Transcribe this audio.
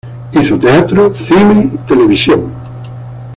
Hizo teatro, cine, televisión.